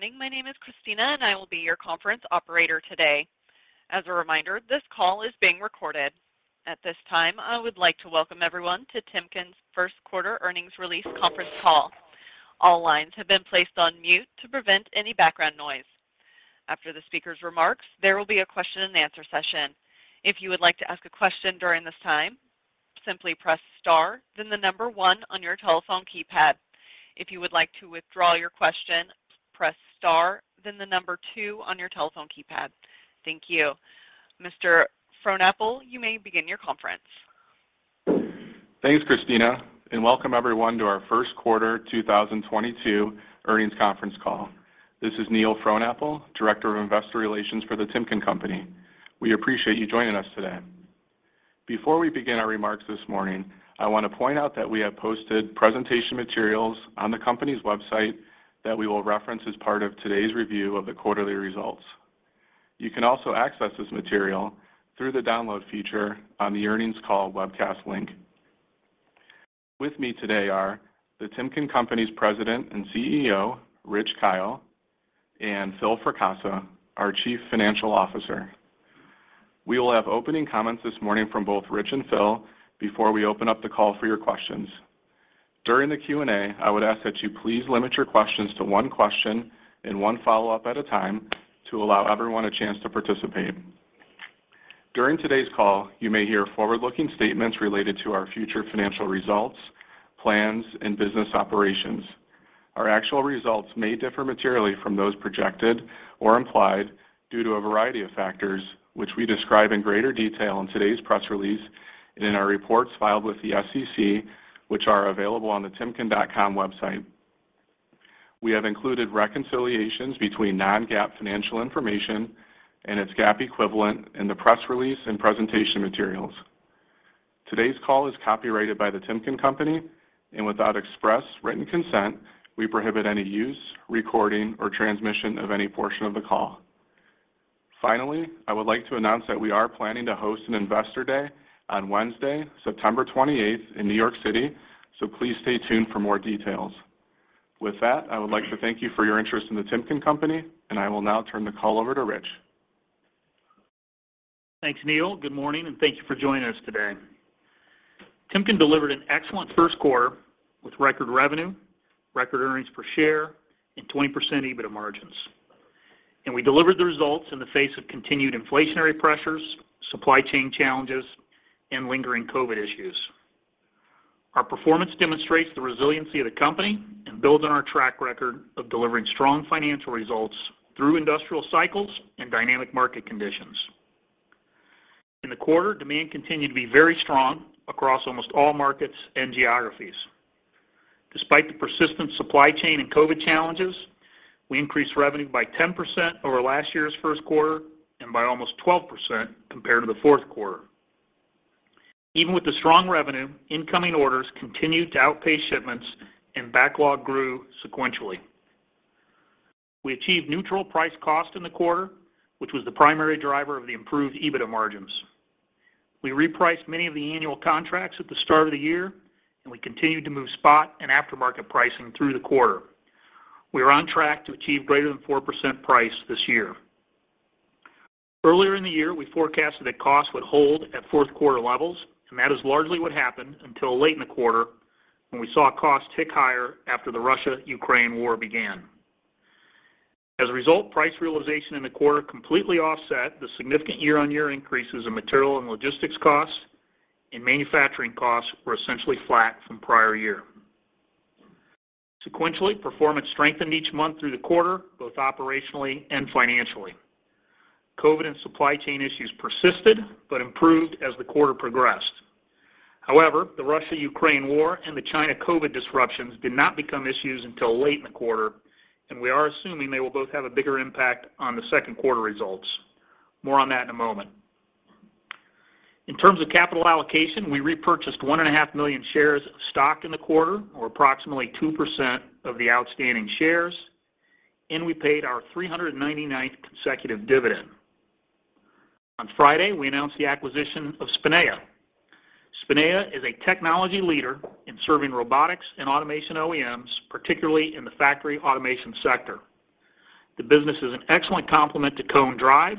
Good morning. My name is Christina, and I will be your conference operator today. As a reminder, this call is being recorded. At this time, I would like to welcome everyone to Timken's First Quarter Earnings Release Conference Call. All lines have been placed on mute to prevent any background noise. After the speaker's remarks, there will be a question-and-answer session. If you would like to ask a question during this time, simply press star then the number one on your telephone keypad. If you would like to withdraw your question, press star then the number two on your telephone keypad. Thank you. Mr. Frohnapple, you may begin your conference. Thanks, Christina, and welcome everyone to our First Quarter 2022 Earnings Conference call. This is Neil Frohnapple, Director of Investor Relations for The Timken Company. We appreciate you joining us today. Before we begin our remarks this morning, I want to point out that we have posted presentation materials on the company's website that we will reference as part of today's review of the quarterly results. You can also access this material through the download feature on the earnings call webcast link. With me today are The Timken Company's President and CEO, Rich Kyle, and Phil Fracassa, our Chief Financial Officer. We will have opening comments this morning from both Rich and Phil before we open up the call for your questions. During the Q&A, I would ask that you please limit your questions to one question and one follow-up at a time to allow everyone a chance to participate. During today's call, you may hear forward-looking statements related to our future financial results, plans, and business operations. Our actual results may differ materially from those projected or implied due to a variety of factors, which we describe in greater detail in today's press release and in our reports filed with the SEC, which are available on the timken.com website. We have included reconciliations between non-GAAP financial information and its GAAP equivalent in the press release and presentation materials. Today's call is copyrighted by The Timken Company, and without express written consent, we prohibit any use, recording, or transmission of any portion of the call. Finally, I would like to announce that we are planning to host an Investor Day on Wednesday, September 28th in New York City, so please stay tuned for more details. With that, I would like to thank you for your interest in The Timken Company, and I will now turn the call over to Rich. Thanks, Neil. Good morning, and thank you for joining us today. Timken delivered an excellent first quarter with record revenue, record earnings per share, and 20% EBITDA margins. We delivered the results in the face of continued inflationary pressures, supply chain challenges, and lingering COVID issues. Our performance demonstrates the resiliency of the company and builds on our track record of delivering strong financial results through industrial cycles and dynamic market conditions. In the quarter, demand continued to be very strong across almost all markets and geographies. Despite the persistent supply chain and COVID challenges, we increased revenue by 10% over last year's first quarter and by almost 12% compared to the fourth quarter. Even with the strong revenue, incoming orders continued to outpace shipments and backlog grew sequentially. We achieved neutral price cost in the quarter, which was the primary driver of the improved EBITDA margins. We repriced many of the annual contracts at the start of the year, and we continued to move spot and aftermarket pricing through the quarter. We are on track to achieve greater than 4% price this year. Earlier in the year, we forecasted that costs would hold at fourth quarter levels, and that is largely what happened until late in the quarter when we saw costs tick higher after the Russia-Ukraine war began. As a result, price realization in the quarter completely offset the significant year-on-year increases in material and logistics costs, and manufacturing costs were essentially flat from prior year. Sequentially, performance strengthened each month through the quarter, both operationally and financially. COVID and supply chain issues persisted but improved as the quarter progressed. However, the Russia-Ukraine war and the China COVID disruptions did not become issues until late in the quarter, and we are assuming they will both have a bigger impact on the second quarter results. More on that in a moment. In terms of capital allocation, we repurchased 1.5 million shares of stock in the quarter, or approximately 2% of the outstanding shares, and we paid our 399th consecutive dividend. On Friday, we announced the acquisition of Spinea. Spinea is a technology leader in serving robotics and automation OEMs, particularly in the factory automation sector. The business is an excellent complement to Cone Drive,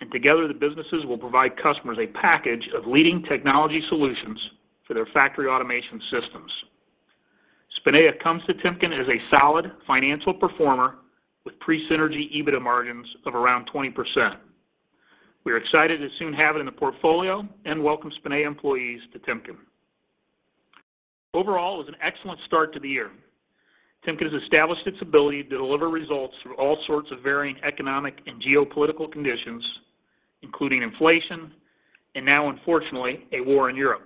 and together the businesses will provide customers a package of leading technology solutions for their factory automation systems. Spinea comes to Timken as a solid financial performer with pre-synergy EBITDA margins of around 20%. We are excited to soon have it in the portfolio and welcome Spinea employees to Timken. Overall, it was an excellent start to the year. Timken has established its ability to deliver results through all sorts of varying economic and geopolitical conditions, including inflation, and now, unfortunately, a war in Europe.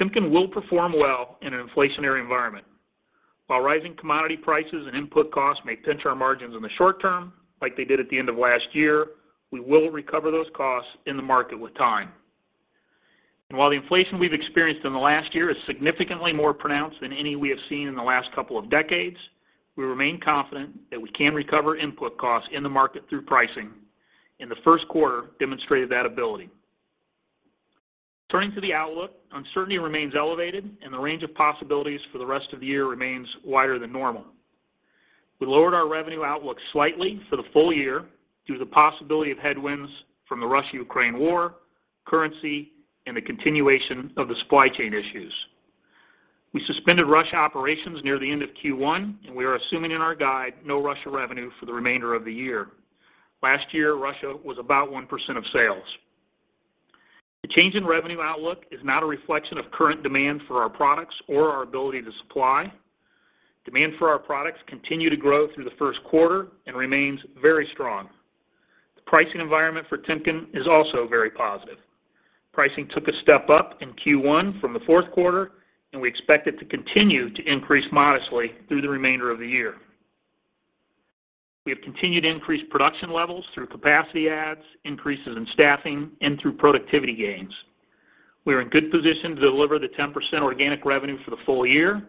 Timken will perform well in an inflationary environment. While rising commodity prices and input costs may pinch our margins in the short term like they did at the end of last year, we will recover those costs in the market with time. While the inflation we've experienced in the last year is significantly more pronounced than any we have seen in the last couple of decades, we remain confident that we can recover input costs in the market through pricing, and the first quarter demonstrated that ability. Turning to the outlook, uncertainty remains elevated and the range of possibilities for the rest of the year remains wider than normal. We lowered our revenue outlook slightly for the full year due to the possibility of headwinds from the Russia-Ukraine war, currency, and the continuation of the supply chain issues. We suspended Russia operations near the end of Q1, and we are assuming in our guide no Russia revenue for the remainder of the year. Last year, Russia was about 1% of sales. The change in revenue outlook is not a reflection of current demand for our products or our ability to supply. Demand for our products continue to grow through the first quarter and remains very strong. The pricing environment for Timken is also very positive. Pricing took a step up in Q1 from the fourth quarter, and we expect it to continue to increase modestly through the remainder of the year. We have continued to increase production levels through capacity adds, increases in staffing, and through productivity gains. We are in good position to deliver the 10% organic revenue for the full year,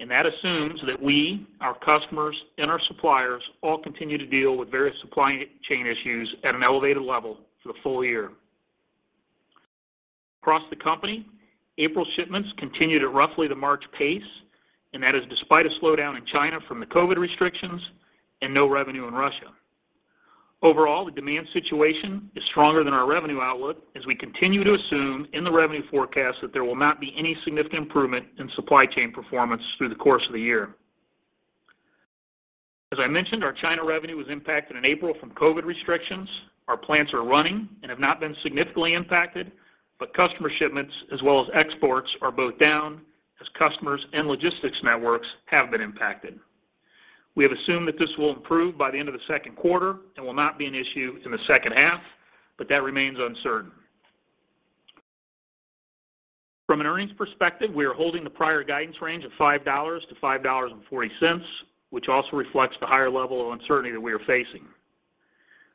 and that assumes that we, our customers, and our suppliers all continue to deal with various supply chain issues at an elevated level for the full year. Across the company, April shipments continued at roughly the March pace, and that is despite a slowdown in China from the COVID restrictions and no revenue in Russia. Overall, the demand situation is stronger than our revenue outlook as we continue to assume in the revenue forecast that there will not be any significant improvement in supply chain performance through the course of the year. As I mentioned, our China revenue was impacted in April from COVID restrictions. Our plants are running and have not been significantly impacted, but customer shipments as well as exports are both down as customers and logistics networks have been impacted. We have assumed that this will improve by the end of the second quarter and will not be an issue in the second half, but that remains uncertain. From an earnings perspective, we are holding the prior guidance range of $5-$5.40, which also reflects the higher level of uncertainty that we are facing.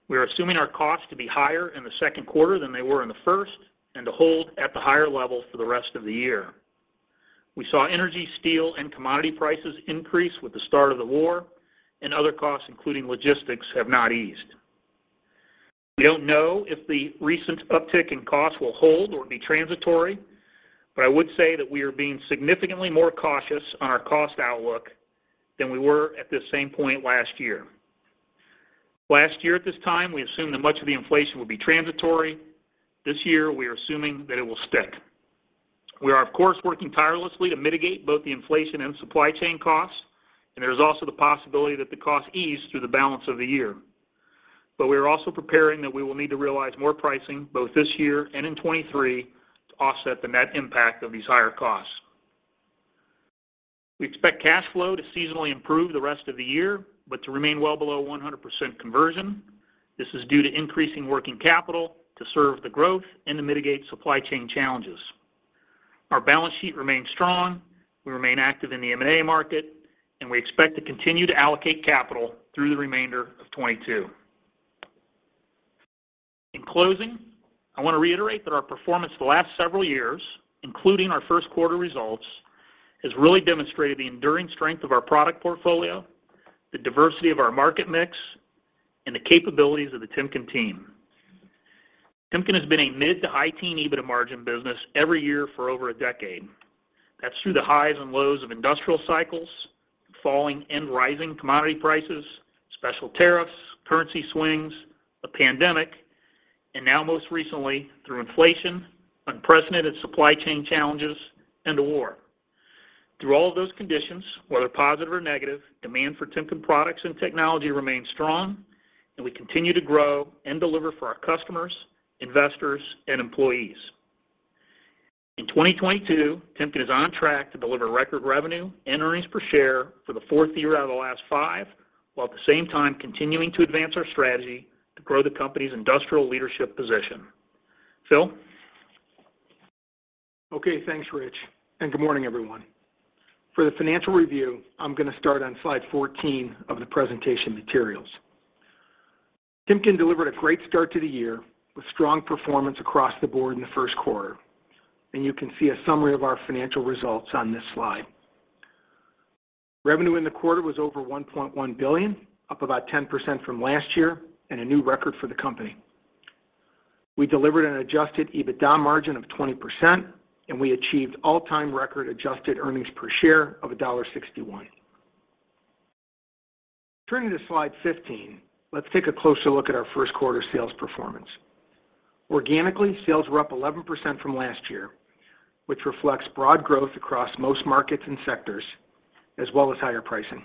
We are assuming our costs to be higher in the second quarter than they were in the first and to hold at the higher level for the rest of the year. We saw energy, steel, and commodity prices increase with the start of the war, and other costs, including logistics, have not eased. We don't know if the recent uptick in costs will hold or be transitory, but I would say that we are being significantly more cautious on our cost outlook than we were at this same point last year. Last year at this time, we assumed that much of the inflation would be transitory. This year, we are assuming that it will stick. We are, of course, working tirelessly to mitigate both the inflation and supply chain costs, and there is also the possibility that the costs ease through the balance of the year. We are also preparing that we will need to realize more pricing both this year and in 2023 to offset the net impact of these higher costs. We expect cash flow to seasonally improve the rest of the year, but to remain well below 100% conversion. This is due to increasing working capital to serve the growth and to mitigate supply chain challenges. Our balance sheet remains strong. We remain active in the M&A market, and we expect to continue to allocate capital through the remainder of 2022. In closing, I want to reiterate that our performance the last several years, including our first quarter results, has really demonstrated the enduring strength of our product portfolio, the diversity of our market mix, and the capabilities of the Timken team. Timken has been a mid- to high-teens EBITDA margin business every year for over a decade. That's through the highs and lows of industrial cycles, falling and rising commodity prices, special tariffs, currency swings, a pandemic, and now most recently, through inflation, unprecedented supply chain challenges, and a war. Through all of those conditions, whether positive or negative, demand for Timken products and technology remains strong, and we continue to grow and deliver for our customers, investors, and employees. In 2022, Timken is on track to deliver record revenue and earnings per share for the fourth year out of the last five, while at the same time continuing to advance our strategy to grow the company's industrial leadership position. Phil? Okay, thanks, Rich. Good morning, everyone. For the financial review, I'm gonna start on slide 14 of the presentation materials. Timken delivered a great start to the year with strong performance across the board in the first quarter. You can see a summary of our financial results on this slide. Revenue in the quarter was over $1.1 billion, up about 10% from last year and a new record for the company. We delivered an Adjusted EBITDA margin of 20%, and we achieved all-time record Adjusted Earnings Per Share of $1.61. Turning to slide 15, let's take a closer look at our first quarter sales performance. Organically, sales were up 11% from last year, which reflects broad growth across most markets and sectors, as well as higher pricing.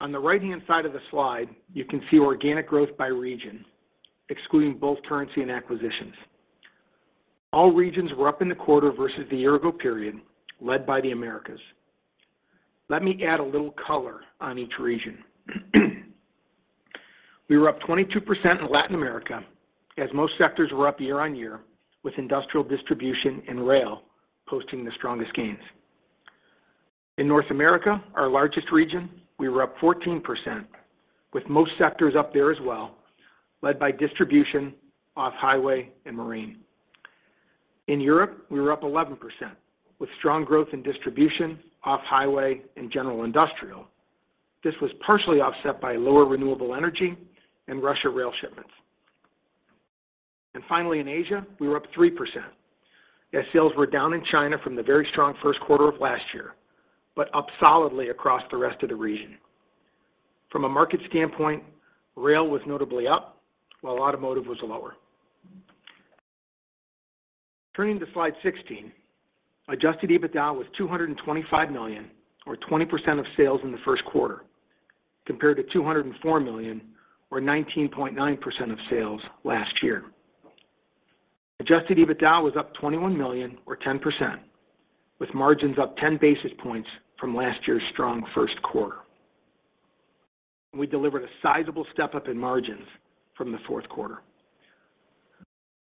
On the right-hand side of the slide, you can see organic growth by region, excluding both currency and acquisitions. All regions were up in the quarter versus the year ago period, led by the Americas. Let me add a little color on each region. We were up 22% in Latin America as most sectors were up year-on-year, with industrial distribution and rail posting the strongest gains. In North America, our largest region, we were up 14%, with most sectors up there as well, led by distribution, off-highway, and marine. In Europe, we were up 11%, with strong growth in distribution, off-highway, and general industrial. This was partially offset by lower renewable energy and Russian rail shipments. Finally, in Asia, we were up 3% as sales were down in China from the very strong first quarter of last year, but up solidly across the rest of the region. From a market standpoint, rail was notably up while automotive was lower. Turning to slide 16, Adjusted EBITDA was $225 million or 20% of sales in the first quarter compared to $204 million or 19.9% of sales last year. Adjusted EBITDA was up $21 million or 10% with margins up 10 basis points from last year's strong first quarter. We delivered a sizable step-up in margins from the fourth quarter.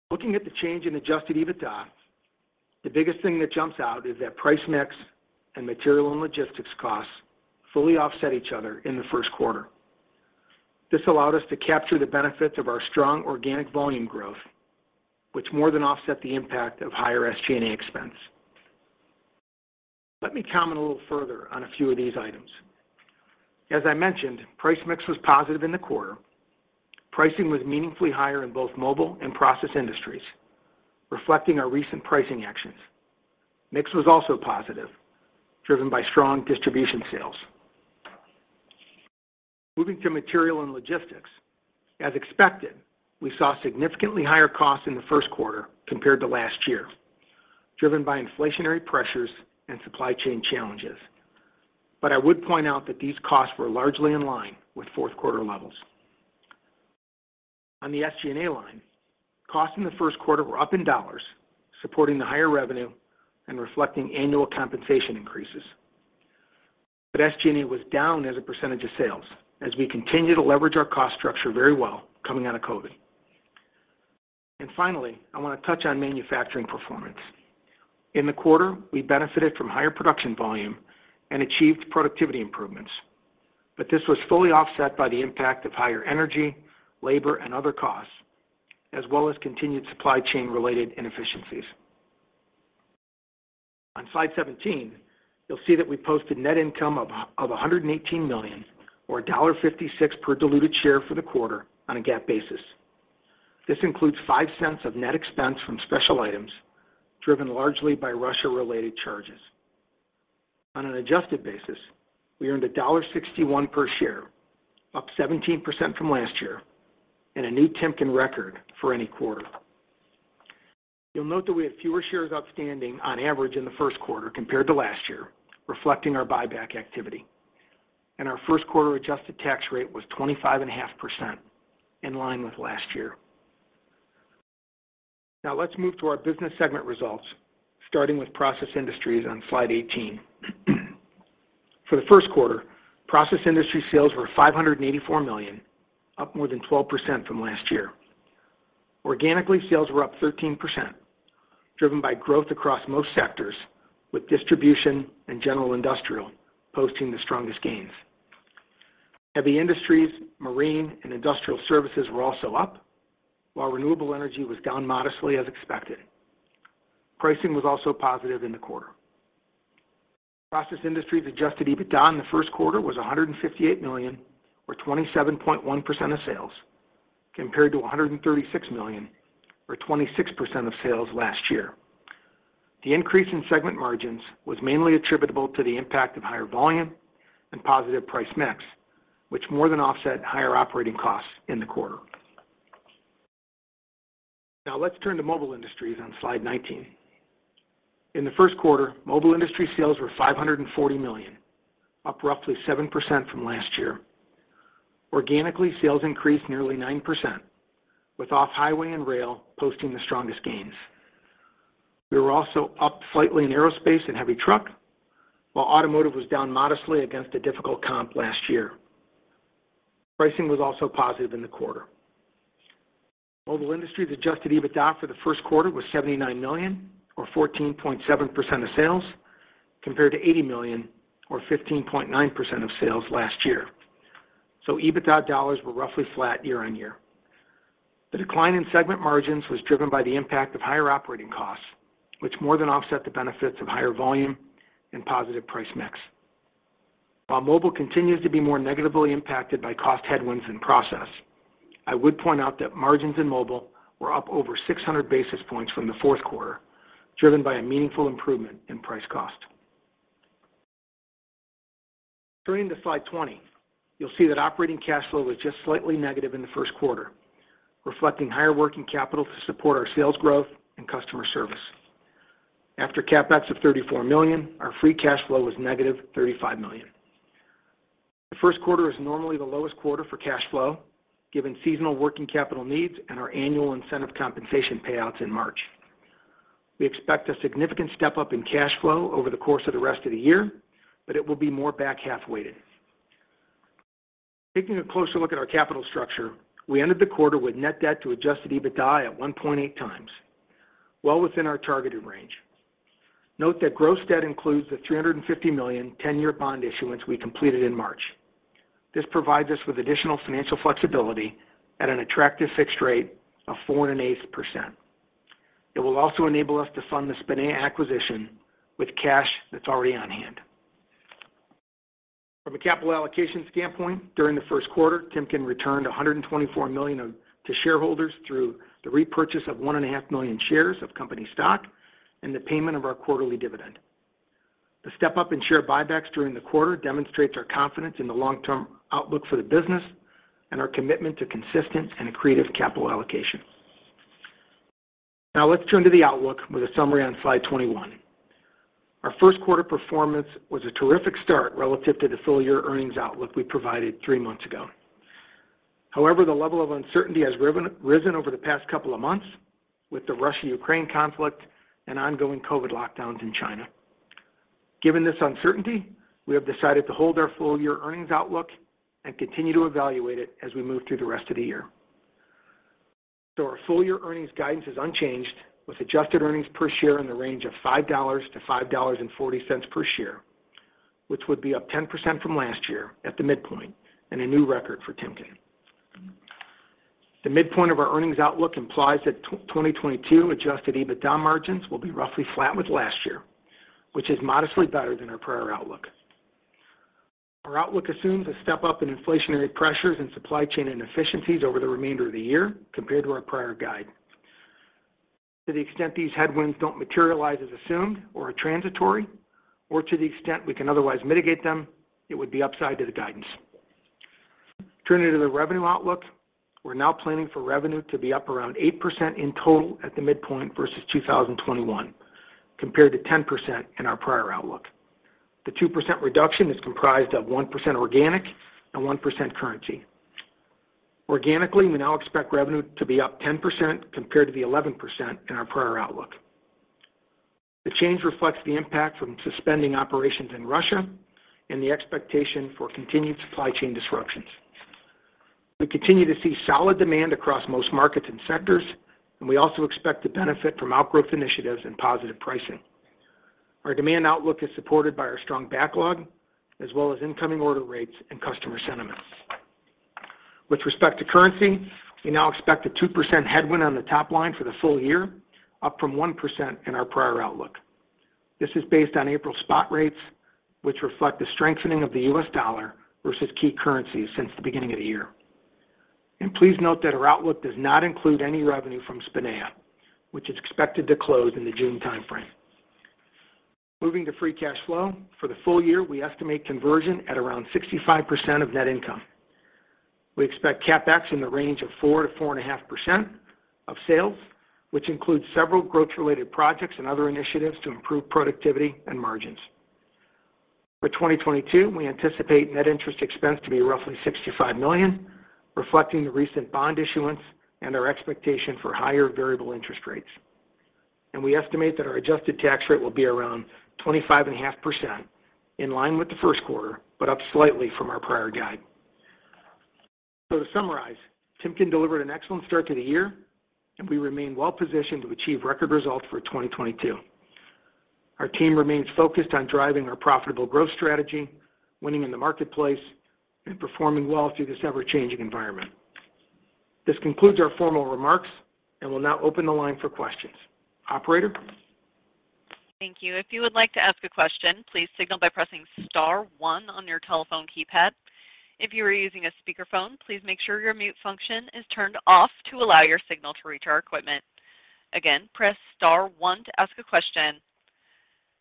Looking at the change in Adjusted EBITDA, the biggest thing that jumps out is that price mix and material and logistics costs fully offset each other in the first quarter. This allowed us to capture the benefits of our strong organic volume growth, which more than offset the impact of higher SG&A expense. Let me comment a little further on a few of these items. As I mentioned, price mix was positive in the quarter. Pricing was meaningfully higher in both Mobile Industries and Process Industries, reflecting our recent pricing actions. Mix was also positive, driven by strong distribution sales. Moving to material and logistics. As expected, we saw significantly higher costs in the first quarter compared to last year, driven by inflationary pressures and supply chain challenges. I would point out that these costs were largely in line with fourth quarter levels. On the SG&A line, costs in the first quarter were up in dollars, supporting the higher revenue and reflecting annual compensation increases. SG&A was down as a percentage of sales as we continue to leverage our cost structure very well coming out of COVID. Finally, I want to touch on manufacturing performance. In the quarter, we benefited from higher production volume and achieved productivity improvements. This was fully offset by the impact of higher energy, labor, and other costs, as well as continued supply chain-related inefficiencies. On slide 17, you'll see that we posted net income of 118 million or $1.56 per diluted share for the quarter on a GAAP basis. This includes $0.05 of net expense from special items driven largely by Russia-related charges. On an adjusted basis, we earned $1.61 per share, up 17% from last year and a new Timken record for any quarter. You'll note that we had fewer shares outstanding on average in the first quarter compared to last year, reflecting our buyback activity. Our first quarter adjusted tax rate was 25.5% in line with last year. Now let's move to our business segment results, starting with Process Industries on slide 18. For the first quarter, Process Industries sales were $584 million, up more than 12% from last year. Organically, sales were up 13%, driven by growth across most sectors, with distribution and general industrial posting the strongest gains. Heavy industries, marine, and industrial services were also up, while renewable energy was down modestly as expected. Pricing was also positive in the quarter. Process Industries Adjusted EBITDA in the first quarter was $158 million or 27.1% of sales compared to $136 million or 26% of sales last year. The increase in segment margins was mainly attributable to the impact of higher volume and positive price mix, which more than offset higher operating costs in the quarter. Now let's turn to Mobile Industries on slide 19. In the first quarter, Mobile Industries sales were $540 million, up roughly 7% from last year. Organically, sales increased nearly 9%, with off-highway and rail posting the strongest gains. We were also up slightly in aerospace and heavy truck, while automotive was down modestly against a difficult comp last year. Pricing was also positive in the quarter. Mobile Industries' Adjusted EBITDA for the first quarter was $79 million or 14.7% of sales compared to $80 million or 15.9% of sales last year. EBITDA dollars were roughly flat year-over-year. The decline in segment margins was driven by the impact of higher operating costs, which more than offset the benefits of higher volume and positive price mix. While mobile continues to be more negatively impacted by cost headwinds in Process Industries, I would point out that margins in mobile were up over 600 basis points from the fourth quarter, driven by a meaningful improvement in price cost. Turning to slide 20, you'll see that operating cash flow was just slightly negative in the first quarter, reflecting higher working capital to support our sales growth and customer service. After CapEx of $34 million, our free cash flow was -$35 million. The first quarter is normally the lowest quarter for cash flow, given seasonal working capital needs and our annual incentive compensation payouts in March. We expect a significant step-up in cash flow over the course of the rest of the year, but it will be more back half weighted. Taking a closer look at our capital structure. We ended the quarter with net debt to Adjusted EBITDA at 1.8 times, well within our targeted range. Note that gross debt includes the $350 million 10-year bond issuance we completed in March. This provides us with additional financial flexibility at an attractive fixed rate of 4.8%. It will also enable us to fund the Spinea acquisition with cash that's already on hand. From a capital allocation standpoint, during the first quarter, Timken returned $124 million to shareholders through the repurchase of 1.5 million shares of company stock and the payment of our quarterly dividend. The step up in share buybacks during the quarter demonstrates our confidence in the long-term outlook for the business and our commitment to consistent and accretive capital allocation. Now let's turn to the outlook with a summary on slide 21. Our first quarter performance was a terrific start relative to the full year earnings outlook we provided three months ago. However, the level of uncertainty has risen over the past couple of months with the Russia-Ukraine conflict and ongoing COVID lockdowns in China. Given this uncertainty, we have decided to hold our full year earnings outlook and continue to evaluate it as we move through the rest of the year. Our full year earnings guidance is unchanged, with Adjusted Earnings Per Share in the range of $5-$5.40 per share, which would be up 10% from last year at the midpoint and a new record for Timken. The midpoint of our earnings outlook implies that 2022 Adjusted EBITDA margins will be roughly flat with last year, which is modestly better than our prior outlook. Our outlook assumes a step up in inflationary pressures and supply chain inefficiencies over the remainder of the year compared to our prior guide. To the extent these headwinds don't materialize as assumed or are transitory, or to the extent we can otherwise mitigate them, it would be upside to the guidance. Turning to the revenue outlook. We're now planning for revenue to be up around 8% in total at the midpoint versus 2021, compared to 10% in our prior outlook. The 2% reduction is comprised of 1% organic and 1% currency. Organically, we now expect revenue to be up 10% compared to the 11% in our prior outlook. The change reflects the impact from suspending operations in Russia and the expectation for continued supply chain disruptions. We continue to see solid demand across most markets and sectors, and we also expect to benefit from outgrowth initiatives and positive pricing. Our demand outlook is supported by our strong backlog as well as incoming order rates and customer sentiments. With respect to currency, we now expect a 2% headwind on the top line for the full year, up from 1% in our prior outlook. This is based on April spot rates, which reflect the strengthening of the U.S. dollar versus key currencies since the beginning of the year. Please note that our outlook does not include any revenue from Spinea, which is expected to close in the June timeframe. Moving to free cash flow. For the full year, we estimate conversion at around 65% of net income. We expect CapEx in the range of 4%-4.5% of sales, which includes several growth-related projects and other initiatives to improve productivity and margins. For 2022, we anticipate net interest expense to be roughly $65 million, reflecting the recent bond issuance and our expectation for higher variable interest rates. We estimate that our adjusted tax rate will be around 25.5%, in line with the first quarter, but up slightly from our prior guide. To summarize, Timken delivered an excellent start to the year, and we remain well positioned to achieve record results for 2022. Our team remains focused on driving our profitable growth strategy, winning in the marketplace, and performing well through this ever-changing environment. This concludes our formal remarks, and we'll now open the line for questions. Operator? Thank you. If you would like to ask a question, please signal by pressing star one on your telephone keypad. If you are using a speakerphone, please make sure your mute function is turned off to allow your signal to reach our equipment. Again, press star one to ask a question.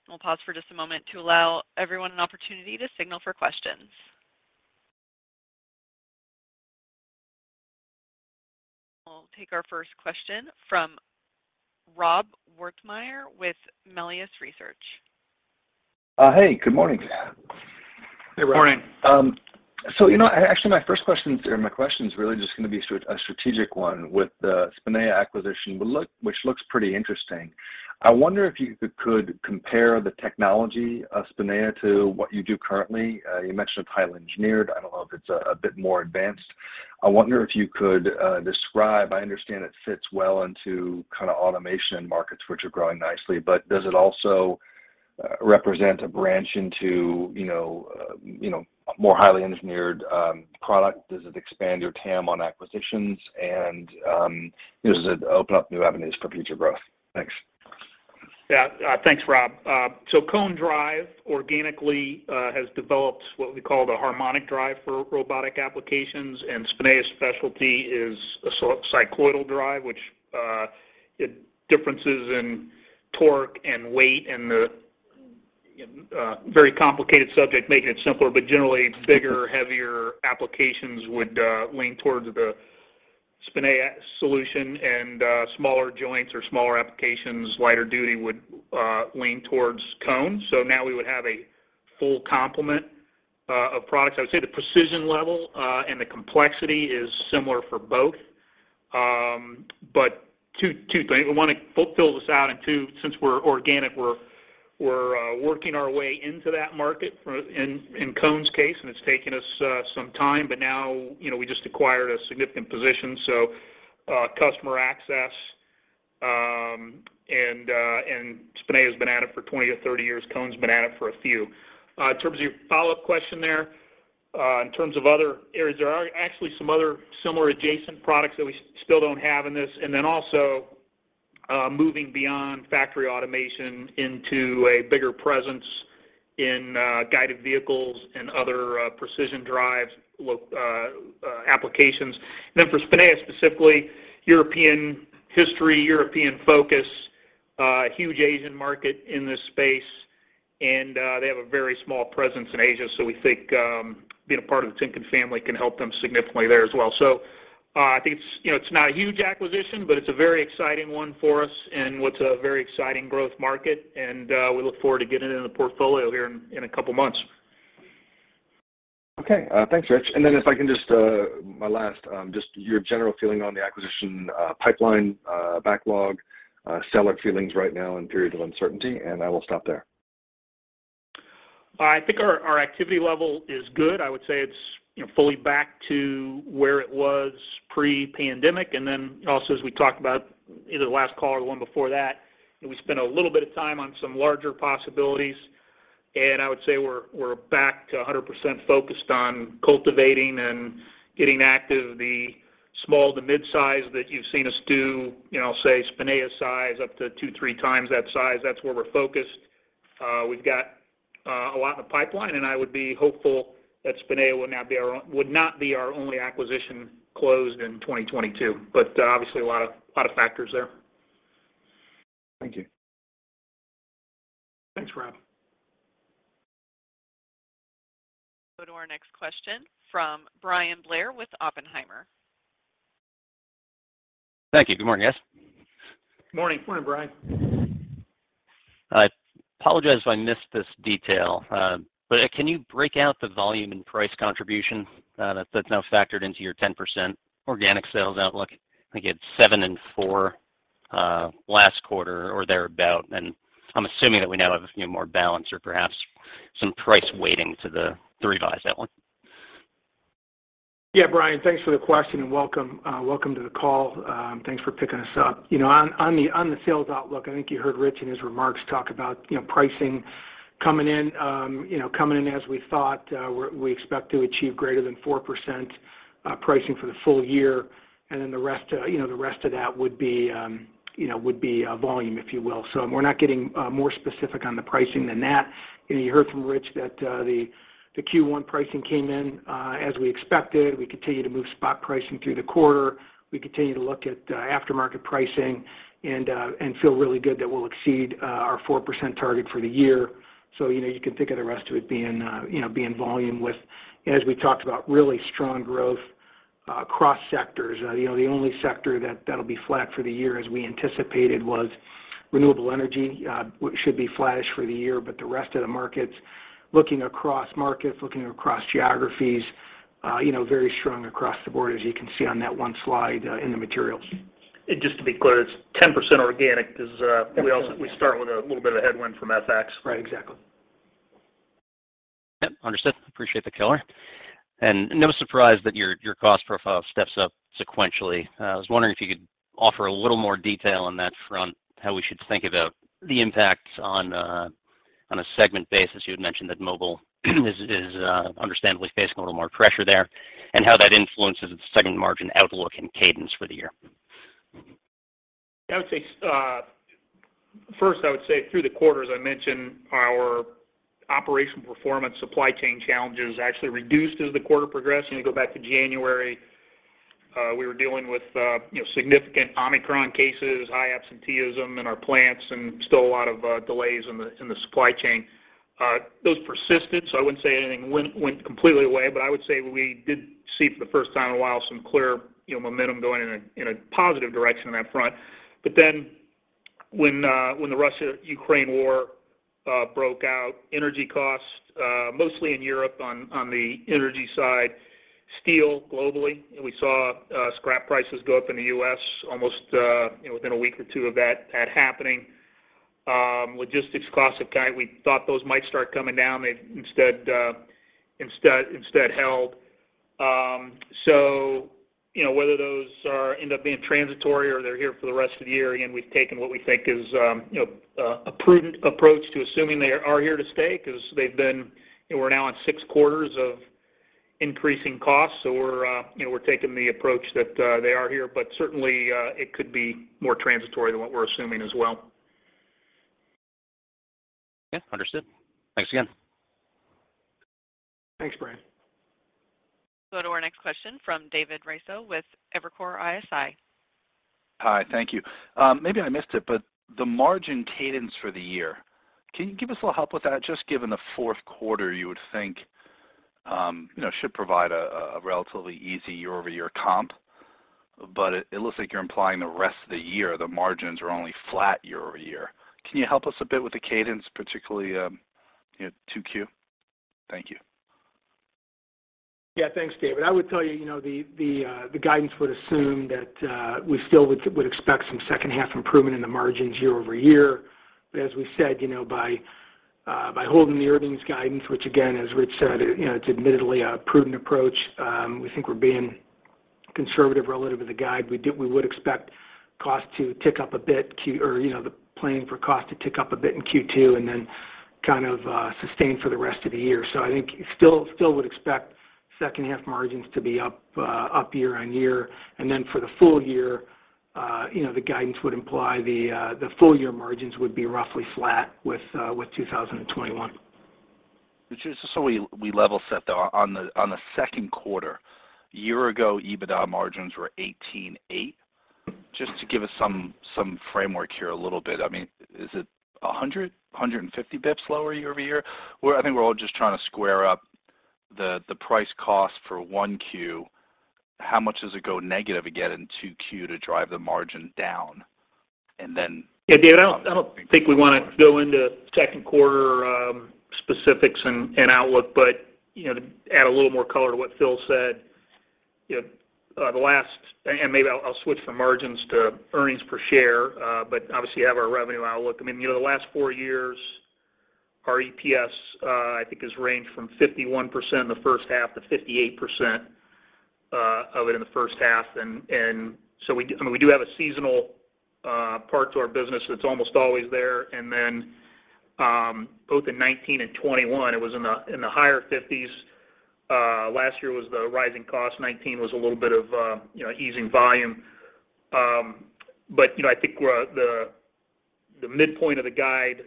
We'll pause for just a moment to allow everyone an opportunity to signal for questions. We'll take our first question from Rob Wertheimer with Melius Research. Hey, good morning. Hey, Rob. Good morning. Actually my first question or my question is really just gonna be a strategic one with the Spinea acquisition, which looks pretty interesting. I wonder if you could compare the technology of Spinea to what you do currently. You mentioned it's highly engineered. I don't know if it's a bit more advanced. I wonder if you could describe. I understand it fits well into kind of automation markets, which are growing nicely, but does it also represent a branch into, you know, more highly engineered product? Does it expand your TAM on acquisitions? And does it open up new avenues for future growth? Thanks. Yeah. Thanks, Rob. Cone Drive organically has developed what we call the harmonic drive for robotic applications, and Spinea's specialty is a cycloidal drive, which differences in torque and weight and the very complicated subject, making it simpler, but generally bigger, heavier applications would lean towards the Spinea solution, and smaller joints or smaller applications, lighter duty would lean towards Cone. Now we would have a full complement of products. I would say the precision level and the complexity is similar for both. But two things. We wanna fill this out, and too, since we're organic, we're working our way into that market in Cone's case, and it's taken us some time, but now, you know, we just acquired a significant position, so customer access, and Spinea's been at it for 20 or 30 years. Cone's been at it for a few. In terms of your follow-up question there. In terms of other areas, there are actually some other similar adjacent products that we still don't have in this. Moving beyond factory automation into a bigger presence in guided vehicles and other precision drives applications. For Spinea specifically, European history, European focus, a huge Asian market in this space, and they have a very small presence in Asia. We think being a part of the Timken family can help them significantly there as well. I think it's, you know, it's not a huge acquisition, but it's a very exciting one for us in what's a very exciting growth market, and we look forward to getting it in the portfolio here in a couple of months. Okay. Thanks, Rich. If I can just my last, just your general feeling on the acquisition pipeline, backlog, seller feelings right now in periods of uncertainty, and I will stop there. I think our activity level is good. I would say it's, you know, fully back to where it was pre-pandemic. Also, as we talked about in the last call or the one before that, we spent a little bit of time on some larger possibilities. I would say we're back to 100% focused on cultivating and getting active the small to mid-size that you've seen us do, you know, say Spinea size, up to two, three times that size. That's where we're focused. We've got a lot in the pipeline, and I would be hopeful that Spinea will not be our only acquisition closed in 2022. Obviously a lot of factors there. Thank you. Thanks, Rob. Go to our next question from Bryan Blair with Oppenheimer. Thank you. Good morning, guys. Morning. Morning, Bryan. I apologize if I missed this detail, but can you break out the volume and price contribution that's now factored into your 10% organic sales outlook? I think it's 7% and 4%, last quarter or thereabout, and I'm assuming that we now have a few more balance or perhaps some price weighting to the revised outlook. Yeah, Bryan, thanks for the question, and welcome to the call. Thanks for picking us up. You know, on the sales outlook, I think you heard Rich in his remarks talk about, you know, pricing coming in as we thought. We expect to achieve greater than 4% pricing for the full year. The rest of that would be volume, if you will. We're not getting more specific on the pricing than that. You heard from Rich that the Q1 pricing came in as we expected. We continue to move spot pricing through the quarter. We continue to look at aftermarket pricing and feel really good that we'll exceed our 4% target for the year. You know, you can think of the rest of it being volume. As we talked about, really strong growth across sectors. You know, the only sector that'll be flat for the year as we anticipated was renewable energy. We should be flattish for the year, but the rest of the markets, looking across markets, looking across geographies, you know, very strong across the board, as you can see on that one slide in the materials. Just to be clear, it's 10% organic 'cause, we also- Exactly We start with a little bit of headwind from FX. Right. Exactly. Yep. Understood. Appreciate the color. No surprise that your cost profile steps up sequentially. I was wondering if you could offer a little more detail on that front, how we should think about the impacts on a segment basis. You had mentioned that Mobile is understandably facing a little more pressure there and how that influences its second margin outlook and cadence for the year. I would say, first, I would say through the quarter, as I mentioned, our operational performance supply chain challenges actually reduced as the quarter progressed. You know, go back to January, we were dealing with, you know, significant Omicron cases, high absenteeism in our plants, and still a lot of delays in the supply chain. Those persisted, so I wouldn't say anything went completely away. I would say we did see for the first time in a while some clear, you know, momentum going in a positive direction on that front. When the Russia-Ukraine war broke out, energy costs, mostly in Europe on the energy side, steel globally, and we saw scrap prices go up in the U.S. almost, you know, within a week or two of that happening. Logistics costs have gone. We thought those might start coming down. They've instead held. You know, whether those are end up being transitory or they're here for the rest of the year, again, we've taken what we think is a prudent approach to assuming they are here to stay 'cause they've been, you know, we're now on six quarters of increasing costs. We're taking the approach that they are here, but certainly it could be more transitory than what we're assuming as well. Yeah. Understood. Thanks again. Thanks, Bryan. Go to our next question from David Raso with Evercore ISI. Hi. Thank you. Maybe I missed it, but the margin cadence for the year, can you give us a little help with that? Just given the fourth quarter, you would think, you know, should provide a relatively easy year-over-year comp. It looks like you're implying the rest of the year, the margins are only flat year-over-year. Can you help us a bit with the cadence, particularly, you know, 2Q? Thank you. Yeah. Thanks, David. I would tell you know, the guidance would assume that we still would expect some second half improvement in the margins year-over-year. As we said, you know, by holding the earnings guidance, which again, as Rich said, you know, it's admittedly a prudent approach. We think we're being Conservative relative to the guide. We would expect cost to tick up a bit, you know, the planning for cost to tick up a bit in Q2, and then kind of sustain for the rest of the year. I think still would expect second half margins to be up year on year. Then for the full year, you know, the guidance would imply the full year margins would be roughly flat with 2021. Just so we level set though, on the second quarter year ago, EBITDA margins were 18.8%. Just to give us some framework here a little bit. I mean, is it 150 basis points lower year-over-year? I think we're all just trying to square up the price cost for 1Q. How much does it go negative again in 2Q to drive the margin down? And then. Yeah, David, I don't think we wanna go into second quarter specifics and outlook. You know, to add a little more color to what Phil said, you know. Maybe I'll switch from margins to Earnings Per Share. Obviously, we have our revenue outlook. I mean, you know, the last four years, our EPS, I think, has ranged from 51% in the first half to 58% of it in the first half. And so we do have a seasonal part to our business that's almost always there. Then, both in 2019 and 2021, it was in the higher 50s. Last year was the rising cost. 2019 was a little bit of, you know, easing volume. You know, I think the midpoint of the guide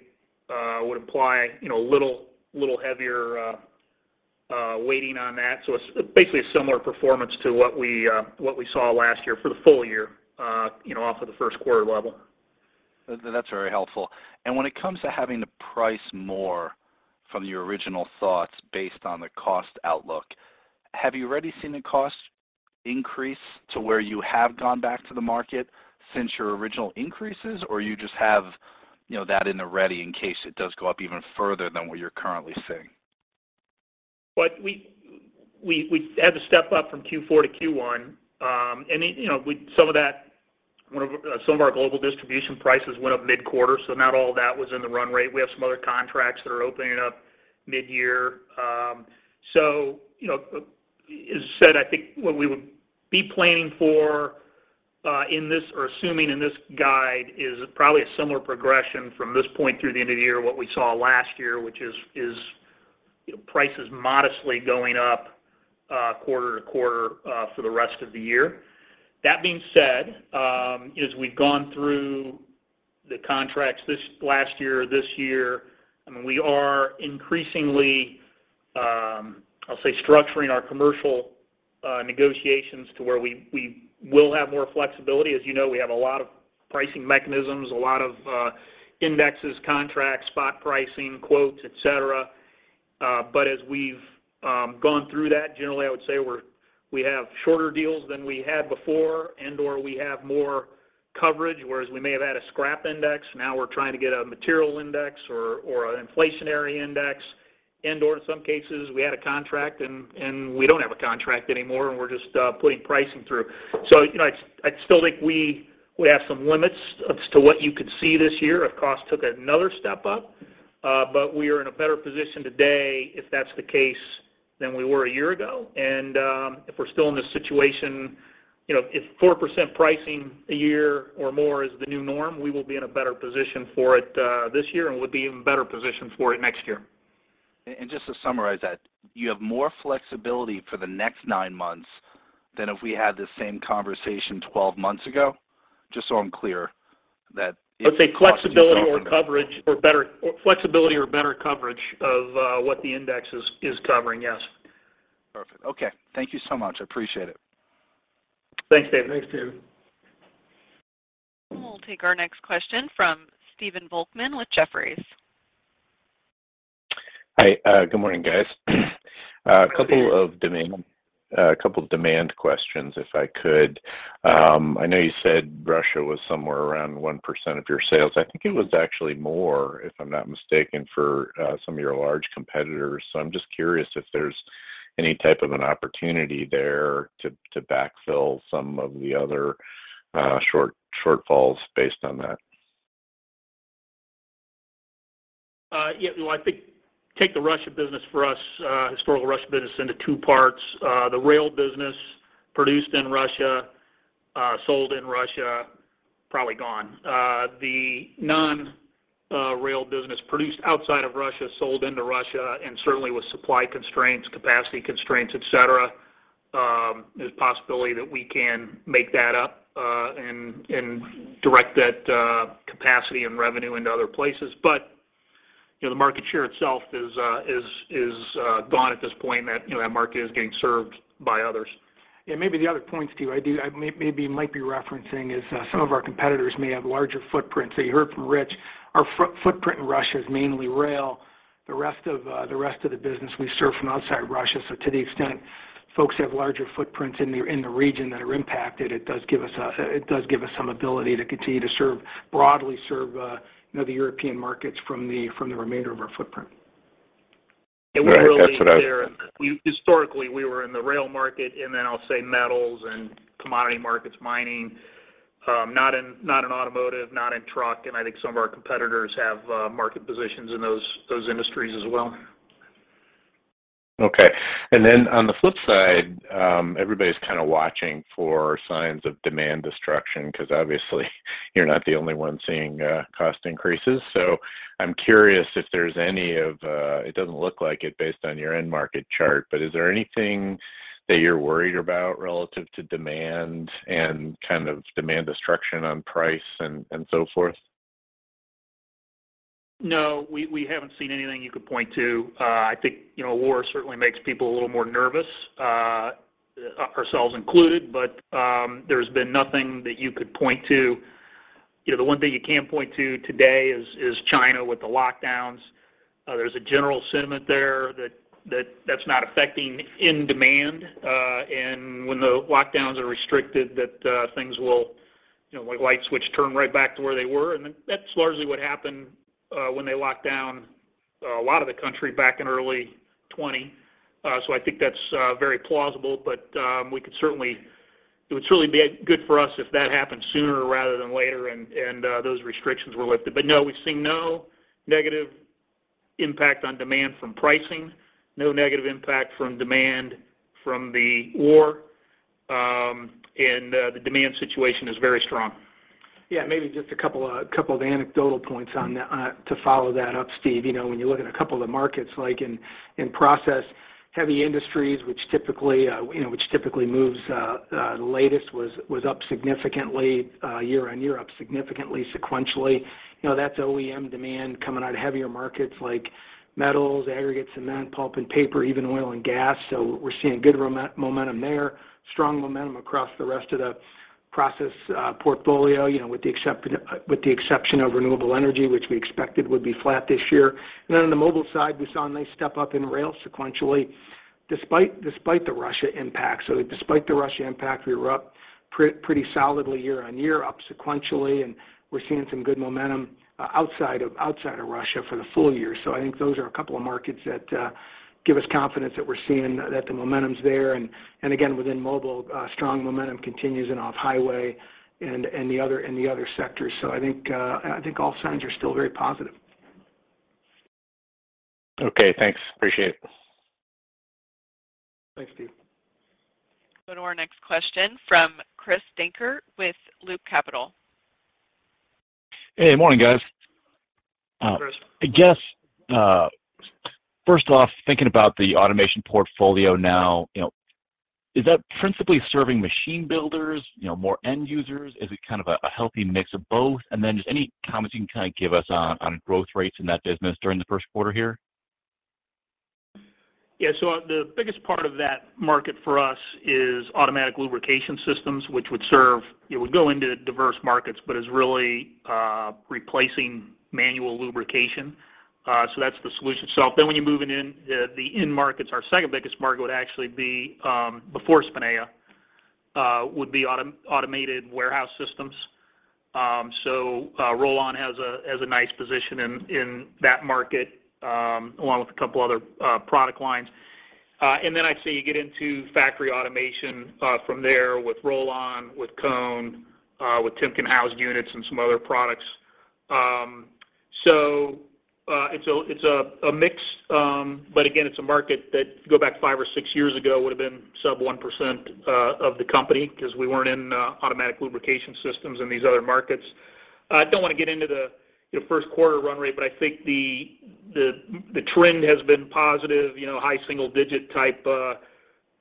weighting on that. It's basically a similar performance to what we saw last year for the full year, you know, off of the first quarter level. That's very helpful. When it comes to having to price more from your original thoughts based on the cost outlook, have you already seen the cost increase to where you have gone back to the market since your original increases, or you just have, you know, that in the ready in case it does go up even further than what you're currently seeing? We had to step up from Q4 to Q1. You know, some of our global distribution prices went up mid-quarter, so not all of that was in the run rate. We have some other contracts that are opening up mid-year. You know, as I said, I think what we would be planning for in this or assuming in this guide is probably a similar progression from this point through the end of the year, what we saw last year, which is you know, prices modestly going up quarter-to-quarter for the rest of the year. That being said, as we've gone through the contracts this last year or this year, I mean, we are increasingly, I'll say structuring our commercial negotiations to where we will have more flexibility. As you know, we have a lot of pricing mechanisms, a lot of indexes, contracts, spot pricing, quotes, et cetera. But as we've gone through that, generally, I would say we have shorter deals than we had before and/or we have more coverage. Whereas we may have had a scrap index, now we're trying to get a material index or an inflationary index. In some cases, we had a contract and we don't have a contract anymore, and we're just putting pricing through. You know, I still think we have some limits as to what you could see this year if costs took another step up. We are in a better position today, if that's the case, than we were a year ago. If we're still in this situation, you know, if 4% pricing a year or more is the new norm, we will be in a better position for it, this year, and we'll be in even better position for it next year. Just to summarize that, you have more flexibility for the next nine months than if we had the same conversation 12 months ago? Just so I'm clear that it- Let's say flexibility or better coverage of what the index is covering, yes. Perfect. Okay. Thank you so much. I appreciate it. Thanks, David. Thanks, David. We'll take our next question from Stephen Volkmann with Jefferies. Hi. Good morning, guys. A couple of demand questions, if I could. I know you said Russia was somewhere around 1% of your sales. I think it was actually more, if I'm not mistaken, for some of your large competitors. I'm just curious if there's any type of an opportunity there to backfill some of the other shortfalls based on that. Yeah. Well, I think take the Russia business for us, historical Russia business into two parts. The rail business produced in Russia, sold in Russia, probably gone. The non-rail business produced outside of Russia, sold into Russia, and certainly with supply constraints, capacity constraints, et cetera, there's a possibility that we can make that up, and direct that capacity and revenue into other places. You know, the market share itself is gone at this point. You know, that market is getting served by others. Yeah, maybe the other points too, I maybe might be referencing is some of our competitors may have larger footprints. You heard from Rich, our footprint in Russia is mainly rail. The rest of the rest of the business we serve from outside Russia. To the extent folks have larger footprints in the region that are impacted, it does give us some ability to continue to broadly serve you know the European markets from the remainder of our footprint. All right. Historically, we were in the rail market, and then I'll say metals and commodity markets, mining, not in automotive, not in truck, and I think some of our competitors have market positions in those industries as well. Okay. On the flip side, everybody's kind of watching for signs of demand destruction because obviously you're not the only one seeing cost increases. I'm curious if there's any of it. It doesn't look like it based on your end market chart, but is there anything that you're worried about relative to demand and kind of demand destruction on price and so forth? No, we haven't seen anything you could point to. I think, you know, war certainly makes people a little more nervous, ourselves included. There's been nothing that you could point to. You know, the one thing you can point to today is China with the lockdowns. There's a general sentiment there that that's not affecting end demand. When the lockdowns are restricted, things will, you know, like a light switch turn right back to where they were. That's largely what happened when they locked down a lot of the country back in early 2020. I think that's very plausible. It would certainly be good for us if that happened sooner rather than later and those restrictions were lifted. No, we've seen no negative impact on demand from pricing, no negative impact on demand from the war, and the demand situation is very strong. Yeah, maybe just a couple of anecdotal points on that to follow that up, Steve. You know, when you look at a couple of markets like in Process Industries, which typically moves, the latest was up significantly year on year, up significantly sequentially. You know, that's OEM demand coming out of heavier markets like metals, aggregates, cement, pulp and paper, even oil and gas. So we're seeing good momentum there. Strong momentum across the rest of the Process portfolio, you know, with the exception of renewable energy, which we expected would be flat this year. Then on the Mobile side we saw a nice step up in rail sequentially despite the Russia impact. Despite the Russia impact, we were up pretty solidly year-over-year, up sequentially, and we're seeing some good momentum outside of Russia for the full year. I think those are a couple of markets that give us confidence that we're seeing that the momentum's there. Again within Mobile, strong momentum continues in off-highway and the other sectors. I think all signs are still very positive. Okay, thanks. Appreciate it. Thanks, Steve. Go to our next question from Chris Dankert with Loop Capital Markets. Hey, morning guys. Chris. I guess, first off, thinking about the automation portfolio now, you know, is that principally serving machine builders, you know, more end users? Is it kind of a healthy mix of both? Just any comments you can kind of give us on growth rates in that business during the first quarter here. Yeah. The biggest part of that market for us is automatic lubrication systems, which would go into diverse markets, but is really replacing manual lubrication. That's the solution. When you move it in the end markets, our second biggest market would actually be automated warehouse systems before Spinea. We'd be automated warehouse systems, so Rollon has a nice position in that market along with a couple other product lines. I'd say you get into factory automation from there with Rollon, with Cone, with Timken housed units and some other products. It's a mix. Again, it's a market that go back five or six years ago would have been sub 1% of the company because we weren't in automatic lubrication systems and these other markets. I don't want to get into the, you know, first quarter run rate, but I think the trend has been positive. You know, high single digit type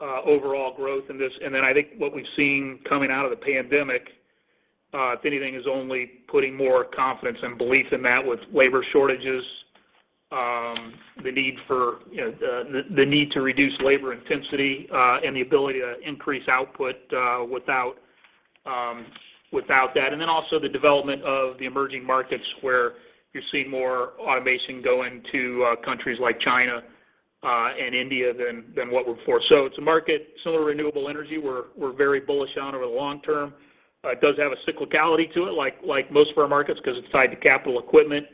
overall growth in this. I think what we've seen coming out of the pandemic, if anything, is only putting more confidence and belief in that with labor shortages, the need for, you know, the need to reduce labor intensity, and the ability to increase output without that. Also the development of the emerging markets where you're seeing more automation go into countries like China and India than what we're in for. It's a market similar to renewable energy we're very bullish on over the long term. It does have a cyclicality to it like most of our markets because it's tied to capital equipment.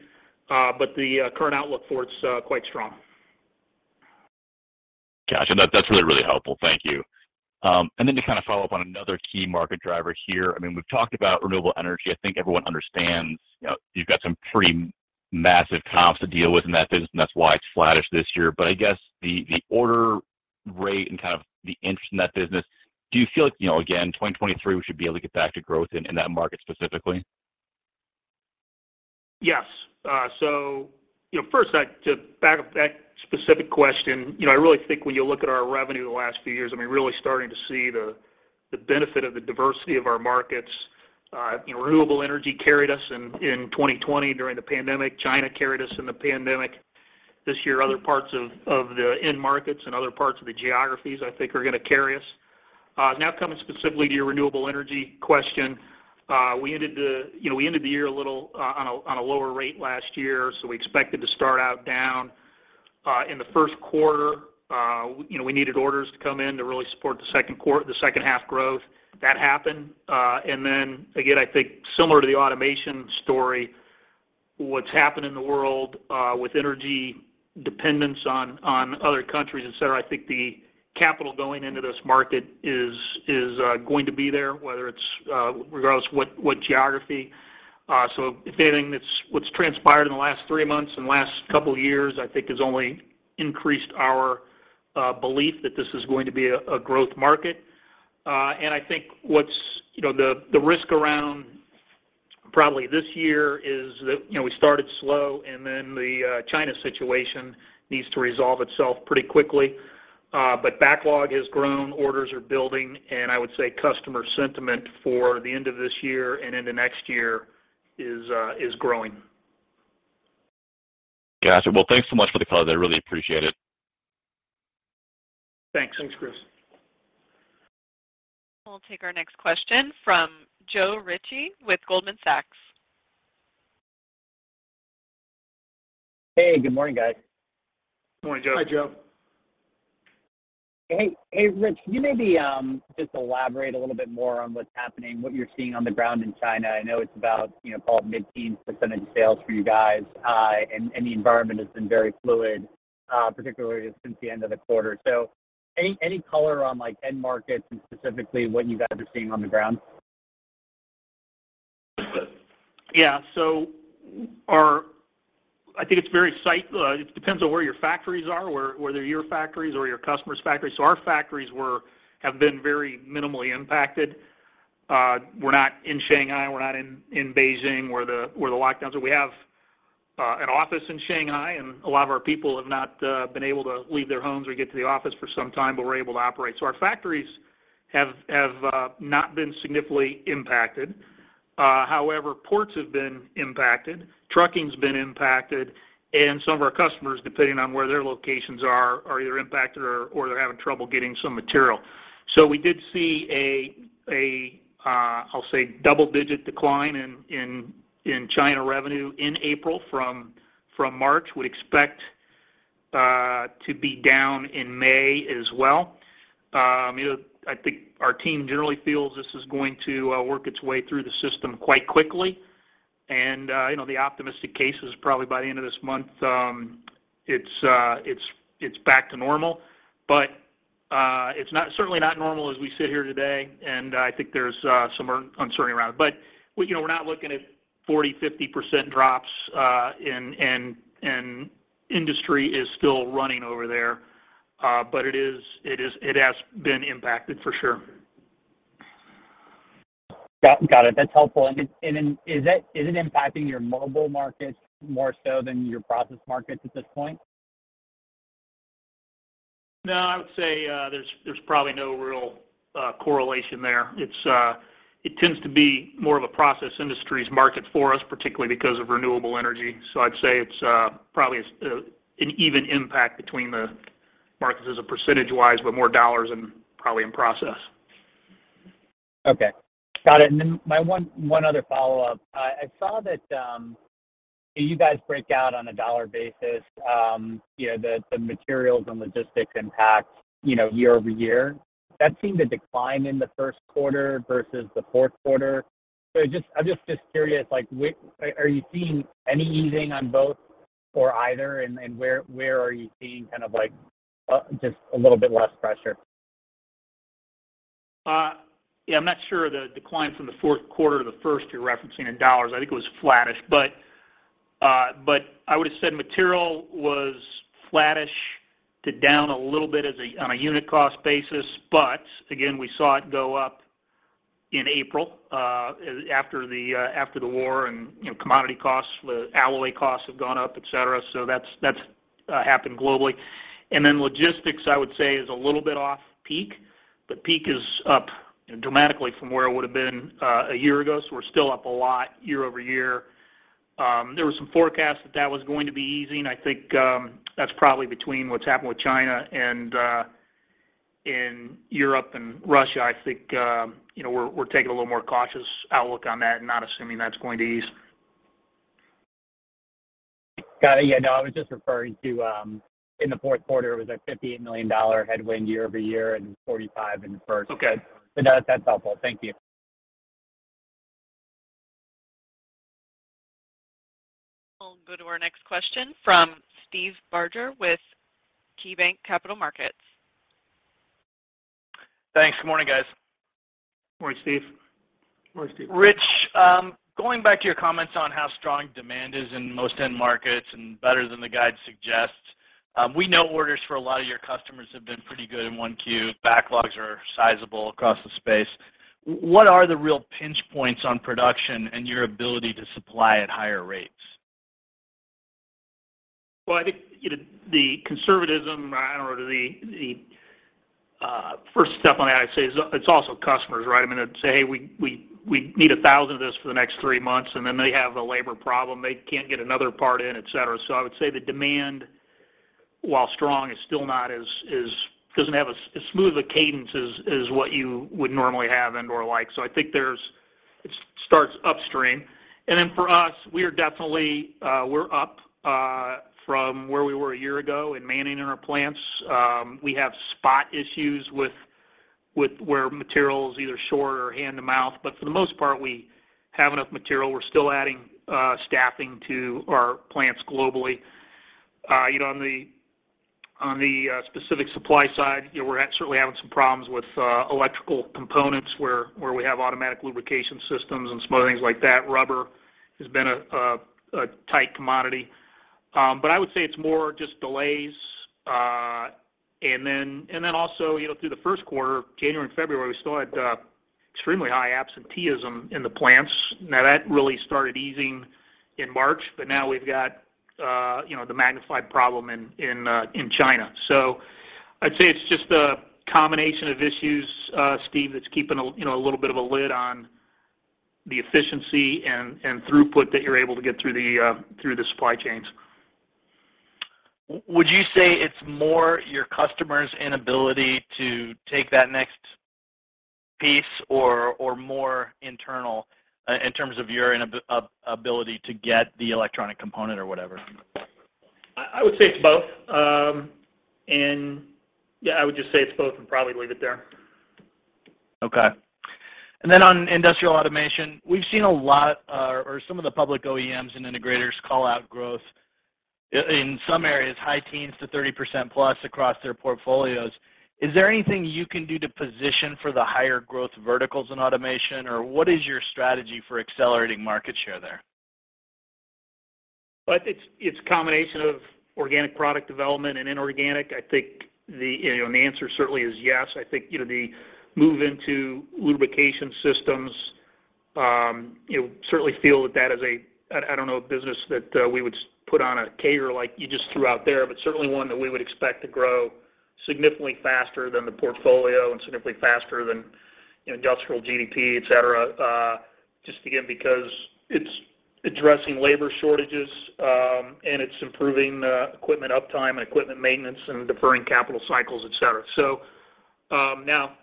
The current outlook for it is quite strong. Gotcha. That, that's really, really helpful. Thank you. To kind of follow up on another key market driver here. I mean, we've talked about renewable energy. I think everyone understands, you know, you've got some pretty massive comps to deal with in that business and that's why it's flattish this year. I guess the order rate and kind of the interest in that business, do you feel like, you know, again, 2023 we should be able to get back to growth in that market specifically? Yes. To back up that specific question, you know, I really think when you look at our revenue the last few years, I mean, we're really starting to see the benefit of the diversity of our markets. Renewable energy carried us in 2020 during the pandemic. China carried us in the pandemic. This year other parts of the end markets and other parts of the geographies I think are gonna carry us. Now coming specifically to your renewable energy question, we ended the year a little on a lower rate last year, so we expected to start out down in the first quarter. You know, we needed orders to come in to really support the second half growth. That happened. I think similar to the automation story, what's happened in the world with energy dependence on other countries, et cetera, I think the capital going into this market is going to be there, whether it's regardless what geography. If anything that's what's transpired in the last three months and last couple years, I think has only increased our belief that this is going to be a growth market. I think what's, you know, the risk around probably this year is that, you know, we started slow, and then the China situation needs to resolve itself pretty quickly. Backlog has grown, orders are building, and I would say customer sentiment for the end of this year and into next year is growing. Gotcha. Well, thanks so much for the color today. I really appreciate it. Thanks. Thanks, Chris. We'll take our next question from Joe Ritchie with Goldman Sachs. Hey, good morning, guys. Good morning, Joe. Hi, Joe. Hey. Hey, Rich, can you maybe just elaborate a little bit more on what's happening, what you're seeing on the ground in China? I know it's about, you know, call it mid-teen% sales for you guys, and the environment has been very fluid, particularly since the end of the quarter. Any color on like end markets and specifically what you guys are seeing on the ground? I think it depends on where your factories are, whether your factories or your customer's factories. Our factories have been very minimally impacted. We're not in Shanghai, we're not in Beijing, where the lockdowns are. We have an office in Shanghai, and a lot of our people have not been able to leave their homes or get to the office for some time, but we're able to operate. Our factories have not been significantly impacted. However, ports have been impacted. Trucking's been impacted, and some of our customers, depending on where their locations are either impacted or they're having trouble getting some material. We did see a double-digit decline in China revenue in April from March. We expect to be down in May as well. You know, I think our team generally feels this is going to work its way through the system quite quickly. You know, the optimistic case is probably by the end of this month, it's back to normal. It's not, certainly not normal as we sit here today, and I think there's some uncertainty around it. You know, we're not looking at 40%-50% drops, and industry is still running over there. It has been impacted for sure. Got it. That's helpful. Is it impacting your Mobile markets more so than your Process markets at this point? No, I would say there's probably no real correlation there. It tends to be more of a Process Industries market for us, particularly because of renewable energy. I'd say it's probably an even impact between the markets percentage-wise, but more dollars probably in Process. Okay. Got it. Then my one other follow-up. I saw that you guys break out on a dollar basis, you know, the materials and logistics impact, you know, year-over-year. That seemed to decline in the first quarter versus the fourth quarter. I'm just curious, like are you seeing any easing on both or either, and where are you seeing kind of like just a little bit less pressure? I'm not sure the decline from the fourth quarter to the first you're referencing in dollars. I think it was flattish. But I would have said material was flattish to down a little bit on a unit cost basis. But again, we saw it go up in April, after the war and, you know, commodity costs, the alloy costs have gone up, et cetera. That's happened globally. Then logistics, I would say is a little bit off peak, but peak is up dramatically from where it would've been, a year ago. We're still up a lot year-over-year. There was some forecasts that that was going to be easing. I think that's probably between what's happened with China and in Europe and Russia. I think, you know, we're taking a little more cautious outlook on that and not assuming that's going to ease. Got it. Yeah, no, I was just referring to in the fourth quarter, it was a $58 million headwind year-over-year and $45 million in the first. Okay. No, that's helpful. Thank you. We'll go to our next question from Steve Barger with KeyBanc Capital Markets. Thanks. Good morning, guys. Good morning, Steve. Good morning, Steve. Rich, going back to your comments on how strong demand is in most end markets and better than the guide suggests, we know orders for a lot of your customers have been pretty good in 1Q. Backlogs are sizable across the space. What are the real pinch points on production and your ability to supply at higher rates? Well, I think, you know, the conservatism, or I don't know, the first step on that I'd say is it's also customers, right? I mean, they'd say, "Hey, we need 1,000 of this for the next three months," and then they have a labor problem. They can't get another part in, et cetera. I would say the demand, while strong, is still not as smooth a cadence as what you would normally have and/or like. I think there's it starts upstream. Then for us, we are definitely up from where we were a year ago in manning in our plants. We have spot issues with where material is either short or hand to mouth. But for the most part, we have enough material. We're still adding staffing to our plants globally. You know, on the specific supply side, you know, we're certainly having some problems with electrical components where we have automatic lubrication systems and smaller things like that. Rubber has been a tight commodity. But I would say it's more just delays. And then also, you know, through the first quarter, January and February, we still had extremely high absenteeism in the plants. Now, that really started easing in March, but now we've got, you know, the magnified problem in China. So, I'd say it's just a combination of issues, Steve, that's keeping a little bit of a lid on the efficiency and throughput that you're able to get through the supply chains. Would you say it's more your customers' inability to take that next piece or more internal in terms of your inability to get the electronic component or whatever? I would say it's both. Yeah, I would just say it's both and probably leave it there. Okay. On industrial automation, we've seen a lot, or some of the public OEMs and integrators call out growth in some areas high teens to 30% plus across their portfolios. Is there anything you can do to position for the higher growth verticals in automation? Or what is your strategy for accelerating market share there? I think it's combination of organic product development and inorganic. I think, you know, and the answer certainly is yes. I think, you know, the move into lubrication systems, certainly feel that that is a, an I don't know, a business that we would put on a CAGR like you just threw out there. But certainly one that we would expect to grow significantly faster than the portfolio and significantly faster than, you know, industrial GDP, et cetera, just again, because it's addressing labor shortages, and it's improving equipment uptime and equipment maintenance and deferring capital cycles, et cetera. Now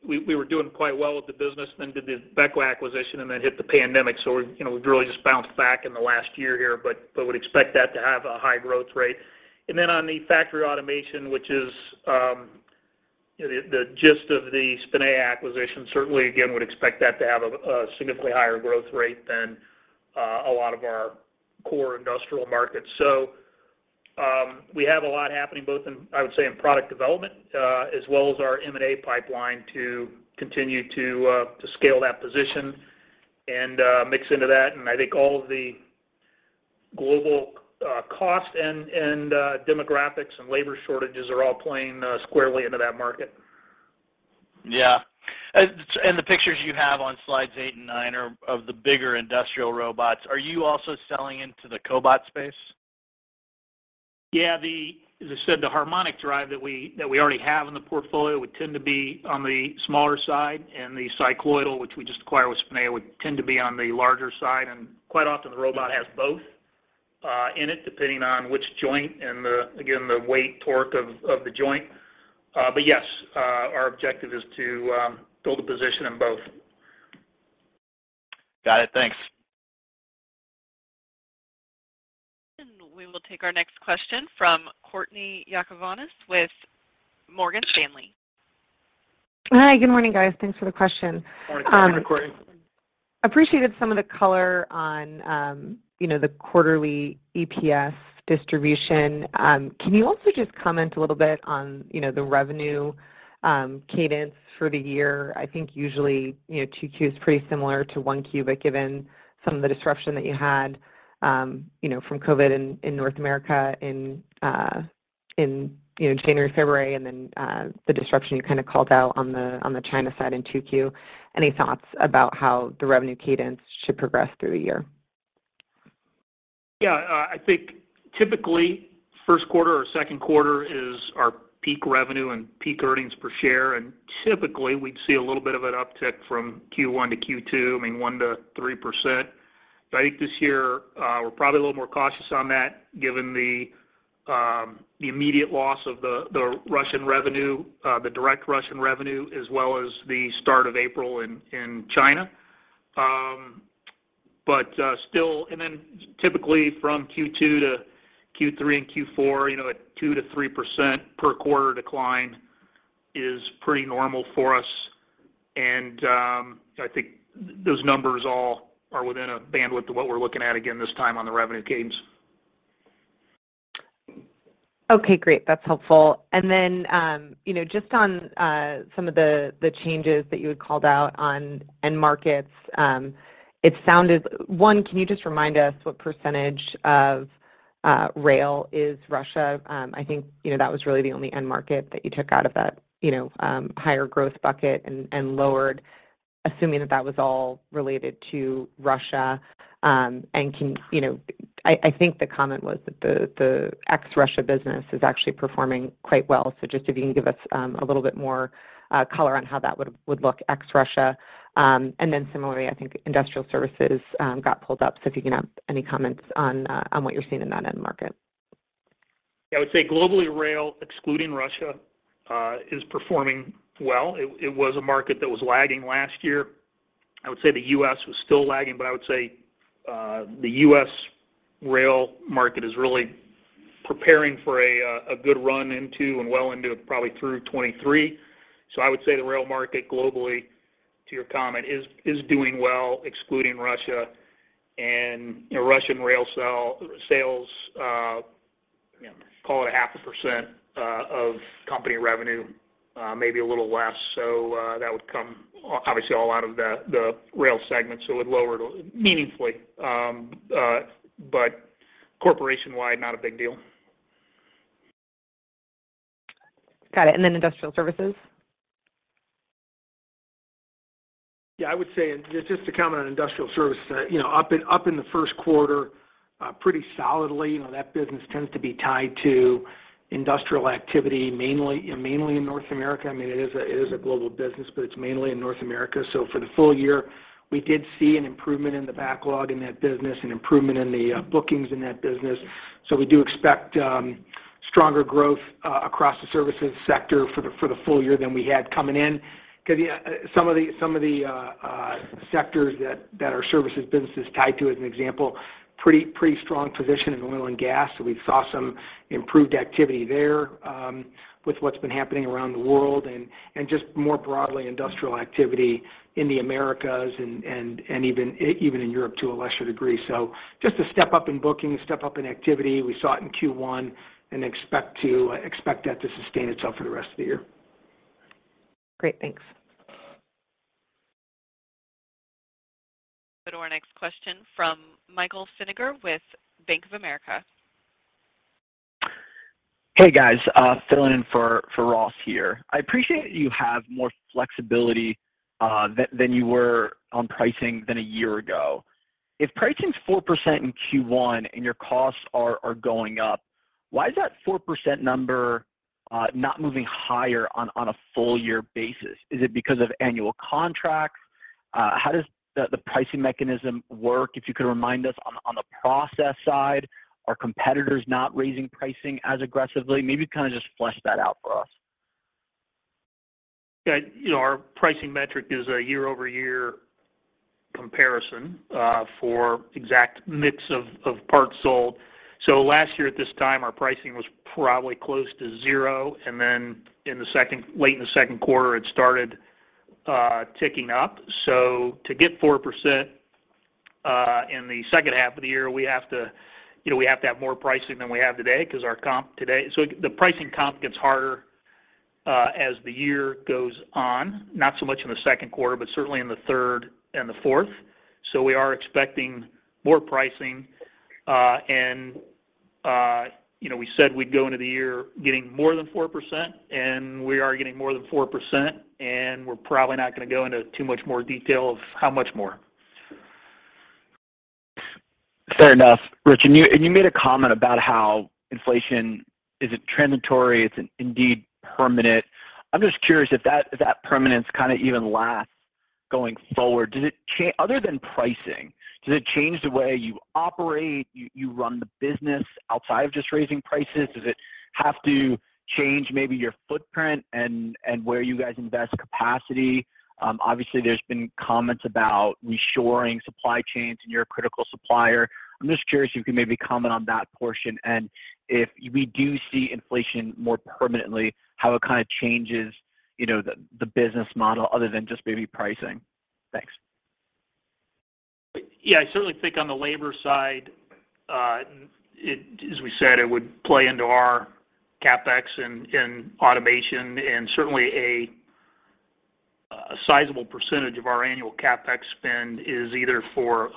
we were doing quite well with the business then did the BEKA acquisition and then hit the pandemic. We're, we've really just bounced back in the last year here, but would expect that to have a high growth rate. Then on the factory automation, which is the gist of the Spinea acquisition, certainly again, would expect that to have a significantly higher growth rate than a lot of our core industrial markets. We have a lot happening both in, I would say, in product development as well as our M&A pipeline to continue to scale that position and mix into that. I think all of the global cost and demographics and labor shortages are all playing squarely into that market. Yeah. The pictures you have on slides eight and nine are of the bigger industrial robots. Are you also selling into the cobot space? Yeah. As I said, the harmonic drive that we already have in the portfolio would tend to be on the smaller side, and the cycloidal, which we just acquired with Spinea, would tend to be on the larger side. Quite often the robot has both in it depending on which joint and again, the weight torque of the joint. Yes, our objective is to build a position in both. Got it. Thanks. We will take our next question from Courtney Yakavonis with Morgan Stanley. Hi. Good morning, guys. Thanks for the question. Morning, Courtney. Appreciated some of the color on, you know, the quarterly EPS distribution. Can you also just comment a little bit on, you know, the revenue cadence for the year? I think usually, you know, 2Q is pretty similar to 1Q, but given some of the disruption that you had, you know, from COVID in North America in January, February, and then the disruption you kind of called out on the China side in 2Q. Any thoughts about how the revenue cadence should progress through the year? Yeah. I think typically first quarter or second quarter is our peak revenue and peak Earnings Per Share. Typically, we'd see a little bit of an uptick from Q1 to Q2, I mean, 1%-3%. I think this year, we're probably a little more cautious on that given the immediate loss of the Russian revenue, the direct Russian revenue as well as the start of April in China. Then typically from Q2 to Q3 and Q4, you know, a 2%-3% per quarter decline is pretty normal for us. I think those numbers all are within a bandwidth of what we're looking at again this time on the revenue cadence. Okay, great. That's helpful. Just on some of the changes that you had called out on end markets, one, can you just remind us what percentage of rail is Russia? I think, you know, that was really the only end market that you took out of that, you know, higher growth bucket and lowered, assuming that was all related to Russia. You know, I think the comment was that the ex-Russia business is actually performing quite well. So just if you can give us a little bit more color on how that would look ex-Russia. Similarly, I think industrial services got pulled up. So if you can have any comments on what you're seeing in that end market. Yeah. I would say globally rail, excluding Russia, is performing well. It was a market that was lagging last year. I would say the U.S. was still lagging, but I would say the U.S. rail market is really preparing for a good run into and well into probably through 2023. I would say the rail market globally, to your comment, is doing well excluding Russia. You know, Russian rail sales, call it 0.5% of company revenue, maybe a little less. That would come obviously all out of the rail segment, so it would lower it meaningfully. Corporation-wide, not a big deal. Got it. Industrial services? Yeah, I would say, just to comment on industrial services, you know, up in the first quarter, pretty solidly. You know, that business tends to be tied to industrial activity, mainly, you know, mainly in North America. I mean, it is a global business, but it's mainly in North America. For the full year, we did see an improvement in the backlog in that business, an improvement in the bookings in that business. We do expect stronger growth across the services sector for the full year than we had coming in. 'Cause, yeah, some of the sectors that our services business is tied to, as an example, pretty strong position in oil and gas. We saw some improved activity there, with what's been happening around the world and just more broadly, industrial activity in the Americas and even in Europe to a lesser degree. Just a step up in bookings, a step up in activity. We saw it in Q1 and expect that to sustain itself for the rest of the year. Great. Thanks. Go to our next question from Michael Feniger with Bank of America. Hey, guys. Filling in for Ross here. I appreciate you have more flexibility than you were on pricing a year ago. If pricing's 4% in Q1 and your costs are going up, why is that 4% number not moving higher on a full year basis? Is it because of annual contracts? How does the pricing mechanism work, if you could remind us on the process side? Are competitors not raising pricing as aggressively? Maybe kind of just flesh that out for us. Yeah. You know, our pricing metric is a year-over-year comparison for exact mix of parts sold. Last year at this time, our pricing was probably close to zero, and then late in the second quarter, it started ticking up. To get 4% in the second half of the year, we have to, you know, have more pricing than we have today 'cause our comp today. The pricing comp gets harder as the year goes on. Not so much in the second quarter, but certainly in the third and the fourth. We are expecting more pricing. You know, we said we'd go into the year getting more than 4%, and we are getting more than 4%, and we're probably not gonna go into too much more detail of how much more. Fair enough. Rich, you made a comment about how inflation isn't transitory, it's indeed permanent. I'm just curious if that permanence kind of even lasts going forward. Other than pricing, does it change the way you operate, you run the business outside of just raising prices? Does it have to change maybe your footprint and where you guys invest capacity? Obviously there's been comments about reshoring supply chains, and you're a critical supplier. I'm just curious if you could maybe comment on that portion, and if we do see inflation more permanently, how it kind of changes, you know, the business model other than just maybe pricing. Thanks. Yeah. I certainly think on the labor side, as we said, it would play into our CapEx and automation and certainly a sizable percentage of our annual CapEx spend is either for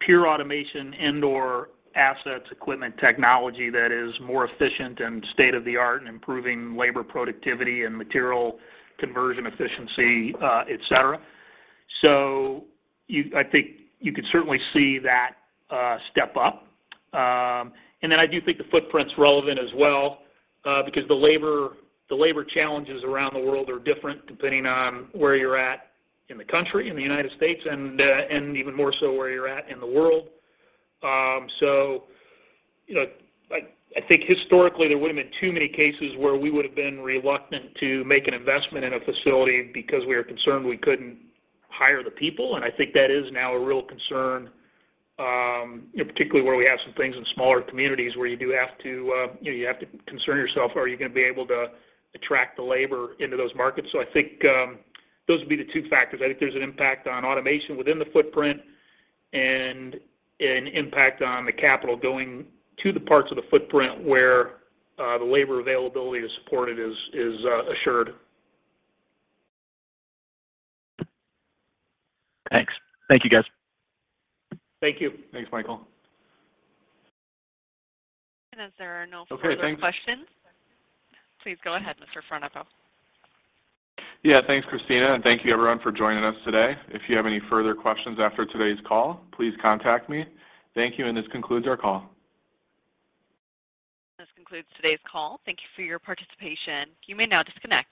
pure automation and/or assets, equipment technology that is more efficient and state-of-the-art in improving labor productivity and material conversion efficiency, et cetera. I think you could certainly see that step up. I do think the footprint's relevant as well, because the labor challenges around the world are different depending on where you're at in the country, in the United States, and even more so where you're at in the world. You know, I think historically there would've been too many cases where we would've been reluctant to make an investment in a facility because we were concerned we couldn't hire the people, and I think that is now a real concern, you know, particularly where we have some things in smaller communities where you do have to, you know, you have to concern yourself, are you gonna be able to attract the labor into those markets? I think those would be the two factors. I think there's an impact on automation within the footprint and an impact on the capital going to the parts of the footprint where the labor availability to support it is assured. Thanks. Thank you, guys. Thank you. Thanks, Michael. As there are no further questions. Okay. Please go ahead, Mr. Frohnapple. Yeah. Thanks, Christina, and thank you everyone for joining us today. If you have any further questions after today's call, please contact me. Thank you, and this concludes our call. This concludes today's call. Thank you for your participation. You may now disconnect.